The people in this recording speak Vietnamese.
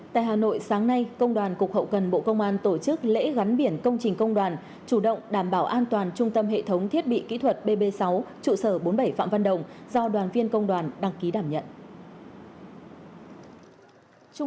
tại hà nội sáng nay công đoàn cục hậu cần bộ công an tổ chức lễ gắn biển công trình công đoàn chủ động đảm bảo an toàn trung tâm hệ thống thiết bị kỹ thuật bb sáu trụ sở bốn mươi bảy phạm văn đồng do đoàn viên công đoàn đăng ký đảm nhận